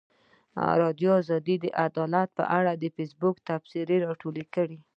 ازادي راډیو د عدالت په اړه د فیسبوک تبصرې راټولې کړي.